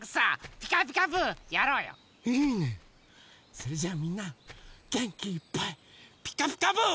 それじゃあみんなげんきいっぱい「ピカピカブ！」。